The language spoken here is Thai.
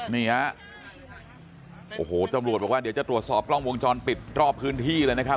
นี่ฮะโอ้โหตำรวจบอกว่าเดี๋ยวจะตรวจสอบกล้องวงจรปิดรอบพื้นที่เลยนะครับ